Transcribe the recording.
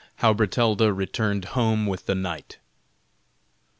HOW BERTALDA RETURNED HOME WITH THE KNIGHT.